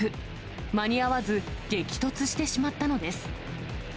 間に合わず、激突してしまったのです。